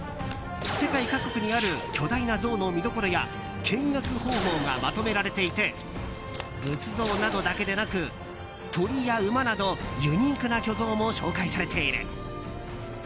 世界各国にある巨大な像の見どころや見学方法がまとめられていて仏像などだけでなく、鳥や馬などユニークな巨像も紹介されている。